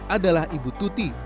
adalah ibu tuti